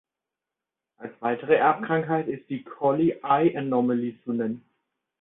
Als weitere Erbkrankheit ist die Collie Eye Anomaly zu nennen.